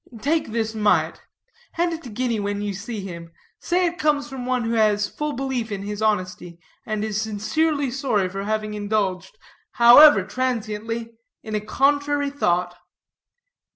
"Take this mite. Hand it to Guinea when you see him; say it comes from one who has full belief in his honesty, and is sincerely sorry for having indulged, however transiently, in a contrary thought."